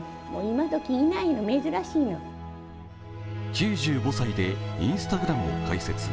９５歳でＩｎｓｔａｇｒａｍを開設。